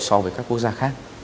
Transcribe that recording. so với các quốc gia khác